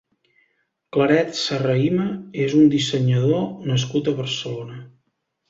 Claret Serrahima és un dissenyador nascut a Barcelona.